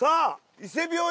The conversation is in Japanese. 伊勢病院。